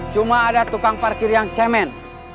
cuma ada tukang parkir yang cemen